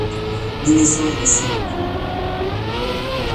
nimi soweli sin li lon.